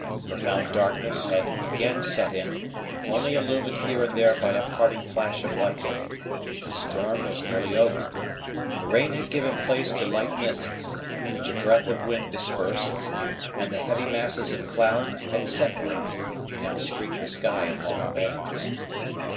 Profound darkness had again set in, only illumined here and there by a parting flash of lightning. The storm was nearly over. The rain had given place to light mists, which a breath of wind dispersed, and the heavy masses of cloud had separated, and now streaked the sky in long bands.